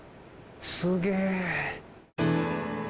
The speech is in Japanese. すげえ！